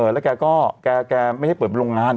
แล้วแกก็แกไม่ให้เปิดโรงงาน